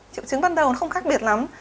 triệu chứng ban đầu nó không khác biệt lắm